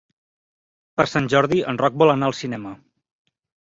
Per Sant Jordi en Roc vol anar al cinema.